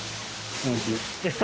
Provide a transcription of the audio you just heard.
おいしい。